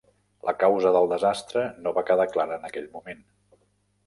La causa del desastre no va quedar clara en aquell moment.